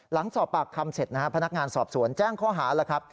หลังสอบปากคำเสร็จพนักงานสอบสวนแจ้งข้อหา